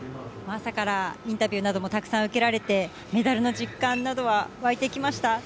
朝からインタビューなどもたくさん受けられて、メダルの実感などは湧いてきました？